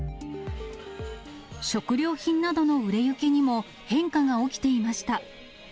食料品などの売れ行きにも変化が起きていました。